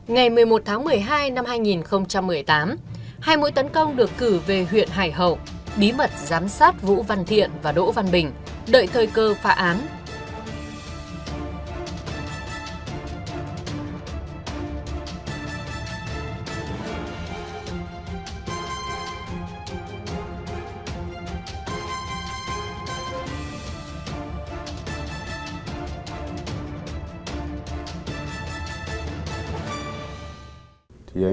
nay thiện chuyển về hải hậu sinh sống chắc chắn chúng sẽ liên lạc với nhau